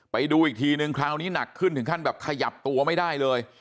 ไปดูอีกทีนึงคราวนี้หนักขึ้นถึงขั้นแบบขยับตัวไม่ได้เลย